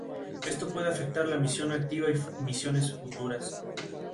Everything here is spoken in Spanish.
En todo el año se celebran fiestas populares, religiosas y oficiales.